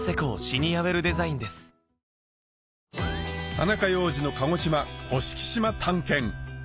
田中要次の鹿児島甑島探検